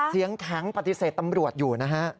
เสียงแข็งปฏิเสธตำรวจอยู่นะฮะ